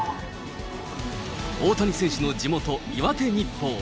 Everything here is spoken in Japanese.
大谷選手の地元、岩手日報。